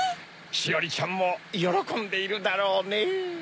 しおりちゃんもよろこんでいるだろうねぇ。